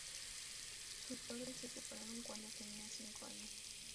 Sus padres se separaron cuando tenía cinco años.